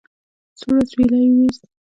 سوړ اسويلی يې ويست.